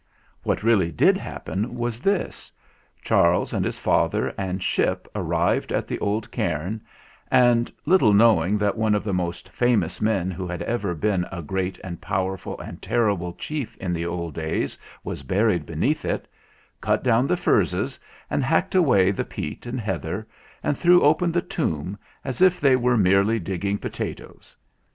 What really did happen was this: Charles and his father and Ship arrived at the old cairn, and, little knowing that one of the most famous men who had ever been a great and powerful and terrible chief in the old days was buried beneath it, cut down the furzes, and hacked away the peat and heather, and threw open the tomb as if they were merely dig ging potatoes.